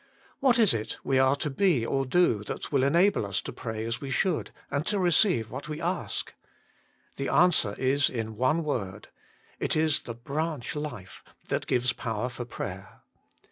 What is it we are to be or do, that will enable us to pray as we should, and to receive what we ask ? The answer is in one word : it is the branch life that gives power for prayer.